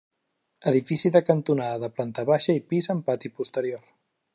Edifici de cantonada de planta baixa i pis amb pati posterior.